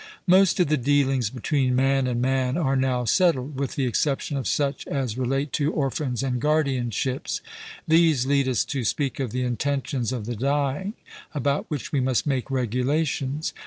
Most of the dealings between man and man are now settled, with the exception of such as relate to orphans and guardianships. These lead us to speak of the intentions of the dying, about which we must make regulations.